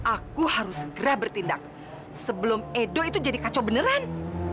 aku harus segera bertindak sebelum edo itu jadi kacau beneran